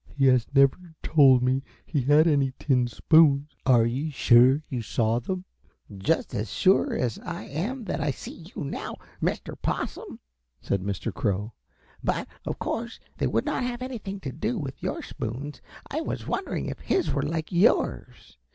"He has never told me he had any tin spoons. Are you sure you saw them?" "Just as sure as I am that I see you now, Mr. Possum," said Mr. Crow. "But, of course, they would not have anything to do with your spoons. I was wondering if his were like yours.